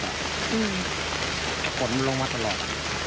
เพราะว่าผลมันลงมาตลอด